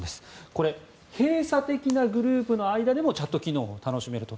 これ、閉鎖的なグループの間でもチャット機能を楽しめると。